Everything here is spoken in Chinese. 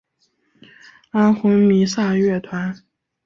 安魂弥撒乐团。